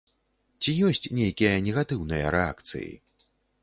Ці ёсць нейкія негатыўныя рэакцыі?